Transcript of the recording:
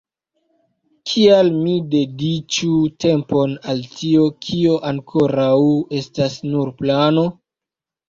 Kial mi dediĉu tempon al tio, kio ankoraŭ estas nur plano?